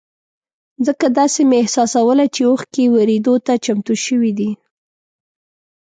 ځکه داسې مې احساسوله چې اوښکې ورېدو ته چمتو شوې دي.